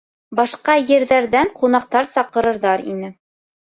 Башҡа ерҙәрҙән ҡунаҡтар саҡырырҙар ине.